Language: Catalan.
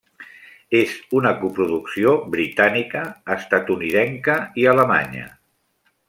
És una coproducció britànica, estatunidenca i alemanya.